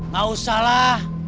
gak usah lah